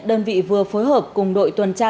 đơn vị vừa phối hợp cùng đội tuần tra